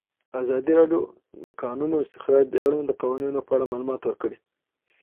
ازادي راډیو د د کانونو استخراج د اړونده قوانینو په اړه معلومات ورکړي.